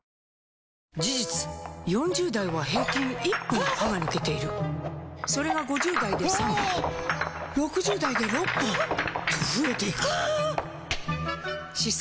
事実４０代は平均１本歯が抜けているそれが５０代で３本６０代で６本と増えていく歯槽